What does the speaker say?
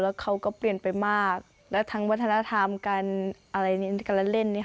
แล้วเขาก็เปลี่ยนไปมากและทั้งวัฒนธรรมการอะไรในการเล่น